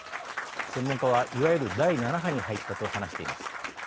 専門家はいわゆる第７波に入ったと話しています。